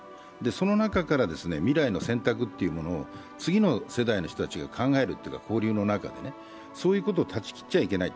その中から、未来の選択というものを次の世代の人たちが考えるというのかな交流の中の、そういうことを断ち切っちゃいけない。